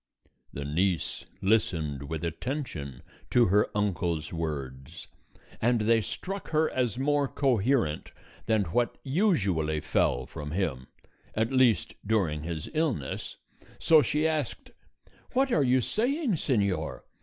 The niece listened with attention to her uncle's words, and they struck her as more coherent than what usually fell from him, at least during his illness, so she asked: "What are you saying, señor?